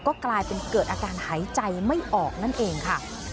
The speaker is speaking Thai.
ก็กลายเป็นเกิดอาการหายใจไม่ออกนั่นเองค่ะ